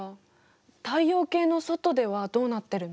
太陽系の外ではどうなってるの？